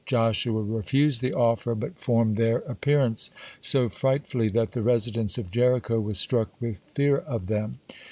Joshua refused the offer, but formed their appearance so frightfully that the residents of Jericho were struck with fear of them.